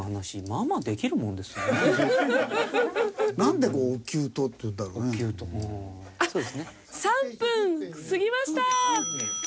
あっ３分過ぎました！